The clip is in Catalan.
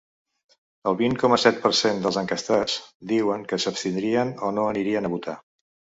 El vint coma set per cent dels enquestats diuen que s’abstindrien o no anirien a votar.